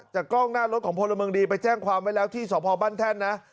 กล้องหน้ารถของพลเมืองดีไปแจ้งความไว้แล้วที่สพบ้านแท่นนะ